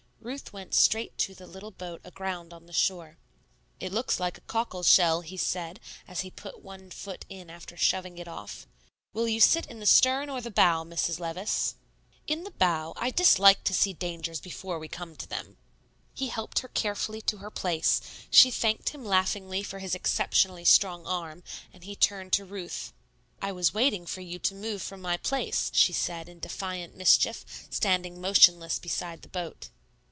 Ruth went straight to the little boat aground on the shore. "It looks like a cockle shell," he said, as he put one foot in after shoving it off. "Will you sit in the stern or the bow, Mrs. Levice?" "In the bow; I dislike to see dangers before we come to them." He helped her carefully to her place; she thanked him laughingly for his exceptionally strong arm, and he turned to Ruth. "I was waiting for you to move from my place," she said in defiant mischief, standing motionless beside the boat.